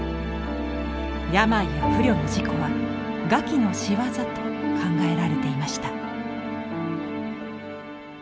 病や不慮の事故は餓鬼の仕業と考えられていました。